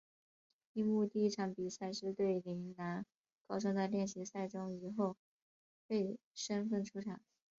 樱木第一场比赛是对陵南高中的练习赛中以后备身份出场。